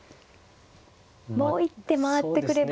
もう一手回ってくれば。